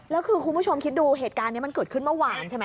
แล้วคือคุณผู้ชมคิดดูเหตุการณ์นี้มันเกิดขึ้นเมื่อวานใช่ไหม